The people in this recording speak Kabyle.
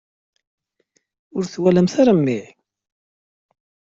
Ur twalamt ara memmi?